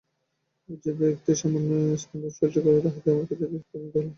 ঐ ব্যক্তি যে সামান্য স্পন্দন সৃষ্টি করিল, তাহাতেই আমি ক্রীতদাসে পরিণত হইলাম।